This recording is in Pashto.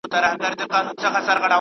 د کرني محصولات څنګه صحي کیدلای سي؟